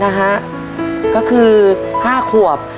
นะฮะก็คือ๕ขวบ